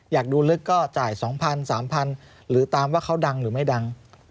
อยากดูลึกก็จ่าย๒๐๐๓๐๐หรือตามว่าเขาดังหรือไม่ดัง